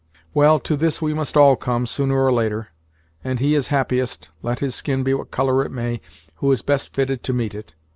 Well, to this we must all come, sooner or later; and he is happiest, let his skin be what color it may, who is best fitted to meet it.